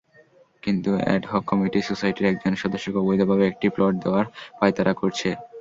কিন্তু ad hoc committee সোসাইটির একজন সদস্যকে অবৈধভাবে একটি প্লট দেওয়ার পাঁয়তারা করছে।